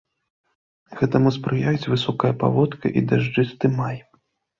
Гэтаму спрыяюць высокая паводка і дажджысты май.